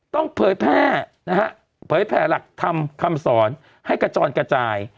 ๗ต้องเผยแพร่หลักธรรมคำสอนให้กระจ่อนกระจาย